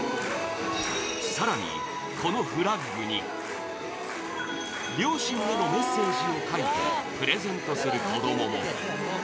更に、このフラッグに両親へのメッセージを書いてプレゼントする子供も